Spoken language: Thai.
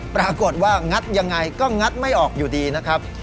ปรากฏว่างัดยังไงก็งัดไม่ออกอยู่ดีนะครับ